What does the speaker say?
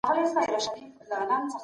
د کار او کورني ژوند بیلول اړین دي.